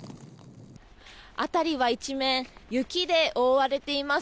辺りは一面、雪で覆われています。